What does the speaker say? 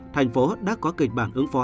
tp hcm đã có kịch bản ứng phó